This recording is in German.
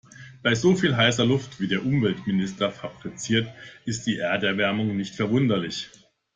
Bei so viel heißer Luft, die der Umweltminister fabriziert, ist die Erderwärmung nicht verwunderlich.